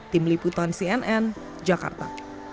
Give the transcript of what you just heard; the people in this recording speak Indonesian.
tim liputan cnn jakarta